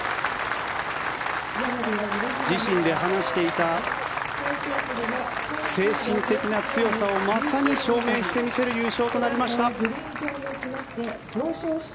自身で話していた精神的な強さをまさに証明してみせる優勝となりました。